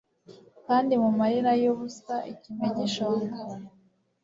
Kandi mumarira yubusa ikimegishonga